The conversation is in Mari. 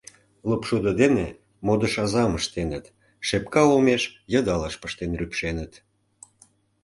Лопшудо дене модыш азам ыштеныт, шепка олмеш йыдалыш пыштен рӱпшеныт.